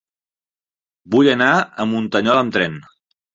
Vull anar a Muntanyola amb tren.